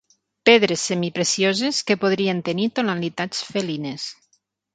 Pedres semiprecioses que podrien tenir tonalitats felines.